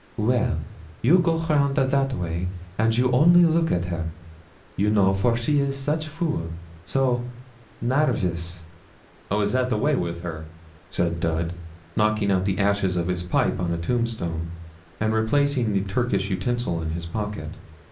'Well, you go round that a way, and you only look at her, you know, for she is such fool so nairvous.' 'Oh, is that the way with her?' said Dud, knocking out the ashes of his pipe on a tombstone, and replacing the Turkish utensil in his pocket.